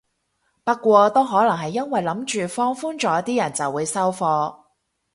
不過都可能係因為諗住放寬咗啲人就會收貨